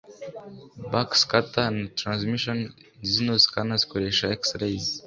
Backscatter na Transmission nizo scanner zikoresha X rays